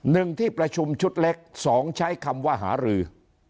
หนึ่งที่ประชุมชุดเล็กสองใช้คำว่าหารือ